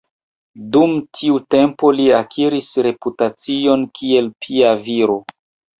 Dum tiu tempo li akiris reputacion kiel pia viro.